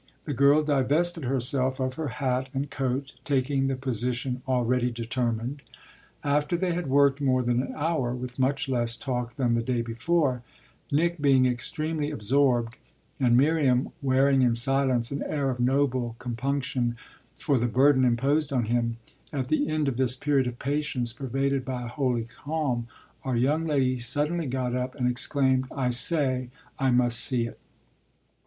The girl divested herself of her hat and coat, taking the position already determined. After they had worked more than an hour with much less talk than the day before, Nick being extremely absorbed and Miriam wearing in silence an air of noble compunction for the burden imposed on him, at the end of this period of patience, pervaded by a holy calm, our young lady suddenly got up and exclaimed, "I say, I must see it!"